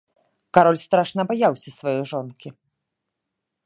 Кароль страшна баяўся сваёй жонкі.